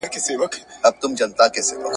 د یوویشتمي پېړۍ په درېیمه لسیزه کي !.